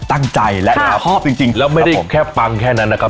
ตั้งใจและชอบจริงแล้วไม่ได้แค่ปังแค่นั้นนะครับ